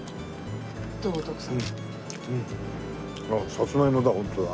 さつまいもだ本当だ。